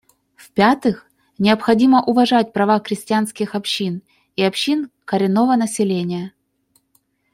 В-пятых, необходимо уважать права крестьянских общин и общин коренного селения.